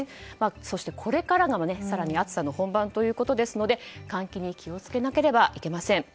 そしてこれからが暑さの本番ということですので換気に気を付けなければいけません。